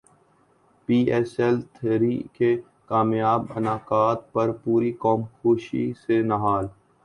پی S L three کے کامیاب انعقاد پر پوری قوم خوشی سے نہال